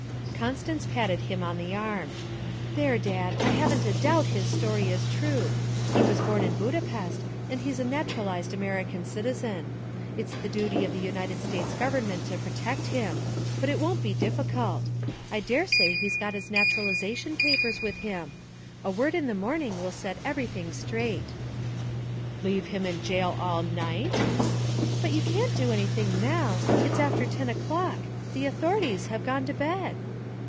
Constance patted him on the arm. 'There, Dad. I haven't a doubt his story is true. He was born in Budapest, and he's a naturalized American citizen. It's the duty of the United States Government to protect him but it won't be difficult; I dare say he's got his naturalization papers with him. A word in the morning will set everything straight.' 'Leave him in jail all night?' 'But you can't do anything now; it's after ten o'clock; the authorities have gone to bed.'